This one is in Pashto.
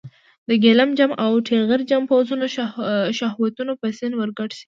د ګیلم جم او ټغر جم پوځونه شهوتونو په سیند ورګډ شي.